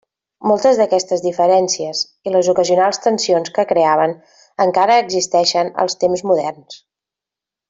Moltes d'aquestes diferències, i les ocasionals tensions que creaven, encara existeixen als temps moderns.